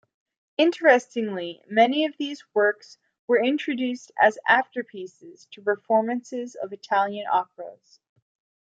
Interestingly, many of these works were introduced as after-pieces to performances of Italian operas.